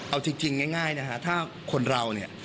เอาจริงง่ายนะฮะถ้าคนเราเนี่ย